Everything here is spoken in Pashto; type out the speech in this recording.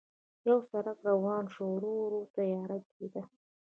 پر سړک روان شوو، ورو ورو تیاره کېده.